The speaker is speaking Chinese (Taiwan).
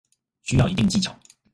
需要一定技巧